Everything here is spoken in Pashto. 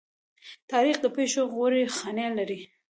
تاریخ د پښو غوړې خاڼې لري.